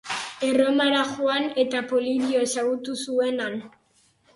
Erromara joan eta Polibio ezagutu zuen han.